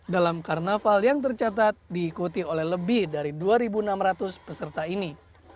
dalam karnaval yang tercatat diikuti oleh lebih dari dua enam ratus peserta ini